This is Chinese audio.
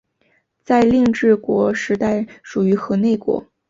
在令制国时代属于河内国。